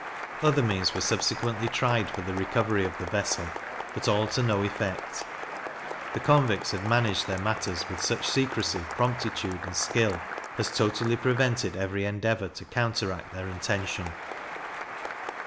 Other means were subsequently tried for the recovery of the vessel, but all to no effect; the convicts had managed their matters with such secrecy, promptitude, and skill, as totally prevented every endeavour to counteract their intention.